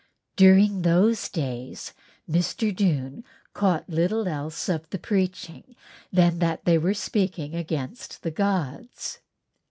During those days Mr. Doong caught little else of the preaching than that they were speaking against the gods.